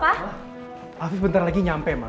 papa alvis bentar lagi nyampe ma